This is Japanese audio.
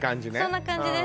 そんな感じです